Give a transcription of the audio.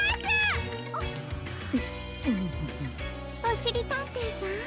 おしりたんていさん